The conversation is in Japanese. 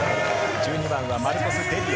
１２番はマルコス・デリア。